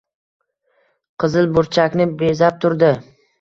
«Qizil burchak»ni bezab turdi.